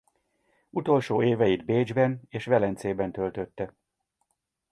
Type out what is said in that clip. Utolsó éveit Bécsben és Velencében töltötte.